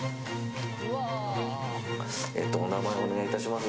お名前お願いいたします。